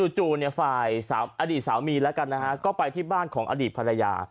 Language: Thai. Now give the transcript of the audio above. จู่ฝ่ายอดีตสามีแล้วกันนะฮะก็ไปที่บ้านของอดีตภรรยา